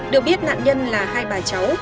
được biết nạn nhân là hai bà cháu